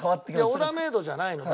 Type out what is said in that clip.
オーダーメイドじゃないの。